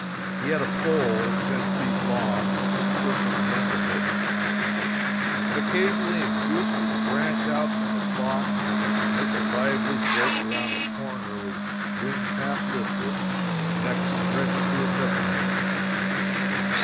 He had a pole ten feet long, with a crook in the end of it, and occasionally a goose would branch out from the flock and make a lively break around the corner, with wings half lifted and neck stretched to its utmost.